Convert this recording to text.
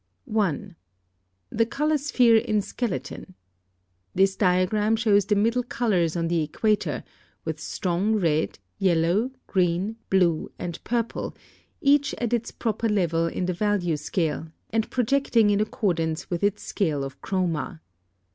1. The Color Sphere in Skeleton. This diagram shows the middle colors on the equator, with strong red, yellow, green, blue, and purple, each at its proper level in the value scale, and projecting in accordance with its scale of chroma.